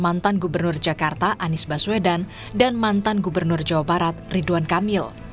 mantan gubernur jakarta anies baswedan dan mantan gubernur jawa barat ridwan kamil